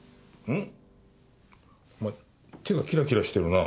うん。